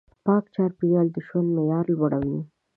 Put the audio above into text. پاک چاپېریال د ژوند معیار لوړوي.